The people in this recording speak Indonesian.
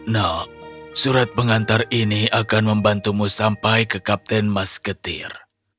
nak surat pengantar ini akan membantumu sampai ke kapten mas ketir